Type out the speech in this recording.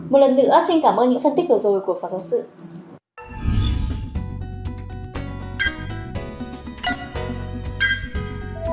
một lần nữa xin cảm ơn những phân tích vừa rồi của phó thống sự